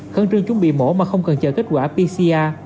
khẩn trương chuẩn bị mổ mà không cần chờ kết quả pcr